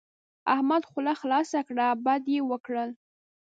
احمد خوله خلاصه کړه؛ بد يې وکړل.